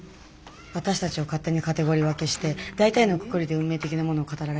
私たちを勝手にカテゴリー分けして大体のくくりで運命的なものを語られるじゃん？